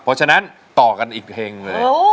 เพราะฉะนั้นต่อกันอีกเห็งเลย